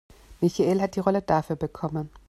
Michael hat die Rolle dafür bekommen.